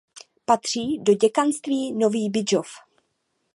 Patří do děkanství Nový Bydžov.